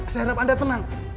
saya harap anda tenang